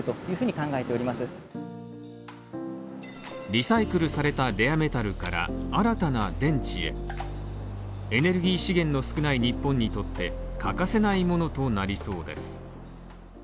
リサイクルされたレアメタルから新たな電池へエネルギー資源の少ない日本にとって欠かせないものとなりそうです。